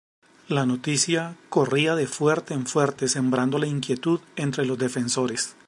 La noticia corría de fuerte en fuerte, sembrando la inquietud entre los defensores.